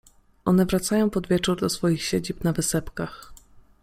- One wracają pod wieczór do swoich siedzib na wysepkach.